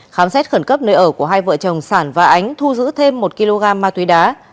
khám xét khẩn cấp nơi ở của hai vợ chồng sản và ánh thu giữ thêm một kg ma túy đá